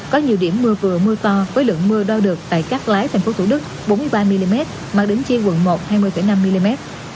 có nhiều điểm mưa vừa mưa to với lượng mưa đo được tại các lái tp thủ đức bốn mươi ba mm mặt đỉnh chiêng quận một hai mươi năm mm